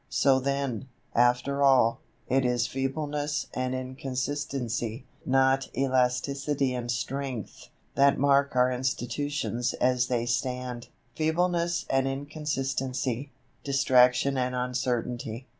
So then, after all, it is feebleness and inconsistency, not elasticity and strength, that mark our institutions as they stand; feebleness and inconsistency, distraction and uncertainty.